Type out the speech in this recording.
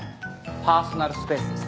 パーソナルスペースです。